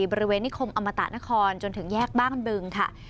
บริเวณนิคมอมตะนครจนถึงแยกบ้านบึงค่ะ